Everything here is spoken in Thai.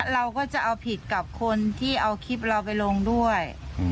เราก็จะเอาผิดกับคนที่เอาคลิปเราไปลงด้วย